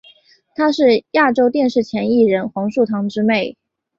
她是亚洲电视前艺人黄树棠之妹。